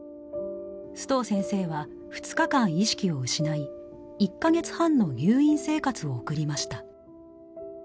須藤先生は２日間意識を失い１カ月半の入院生活を送りました。